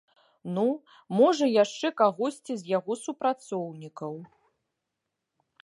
Ну, можа, яшчэ кагосьці з яго супрацоўнікаў.